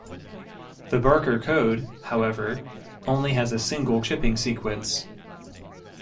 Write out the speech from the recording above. The Barker code, however, only has a single chipping sequence.